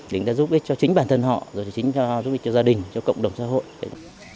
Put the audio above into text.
để người ta giúp cho chính bản thân họ giúp cho gia đình cộng đồng xã hội